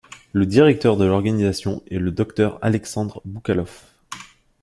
Le directeur de l'organisation est le Docteur Alexandre Boukalov.